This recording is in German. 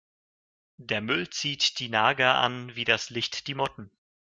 Der Müll zieht die Nager an wie das Licht die Motten.